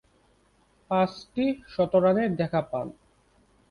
পাঁচটি শতরানের দেখা পান।